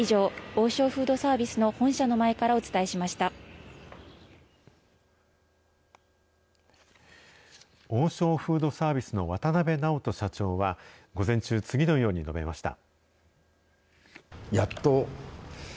王将フードサービスの渡邊直人社長は、午前中、次のように述べました。